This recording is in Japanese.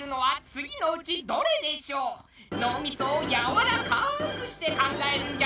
脳みそをやわらかくして考えるんじゃぞ。